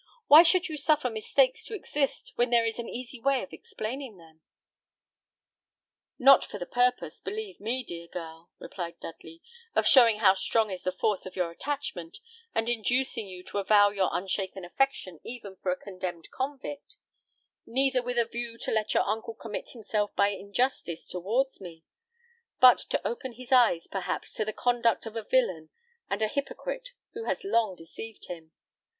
"Why should you suffer mistakes to exist when there is an easy way of explaining them?" "Not for the purpose, believe me, dear girl," replied Dudley, "of showing how strong is the force of your attachment, and inducing you to avow your unshaken affection even for a condemned convict; neither with a view to let your uncle commit himself by injustice towards me; but to open his eyes, perhaps, to the conduct of a villain and a hypocrite who has long deceived him.